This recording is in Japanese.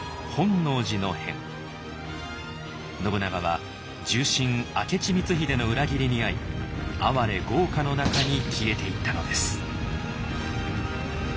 信長は重臣明智光秀の裏切りに遭いあわれ業火の中に消えていったのです。